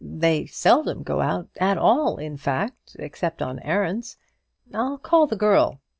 They seldom go out at all, in fact, except on errands. I'll call the girl."